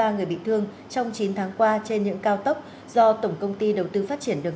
ba người bị thương trong chín tháng qua trên những cao tốc do tổng công ty đầu tư phát triển đường